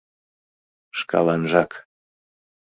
Шкаланжак!..